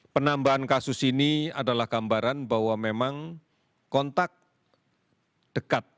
penambahan kasus ini adalah gambaran bahwa memang kontak dekat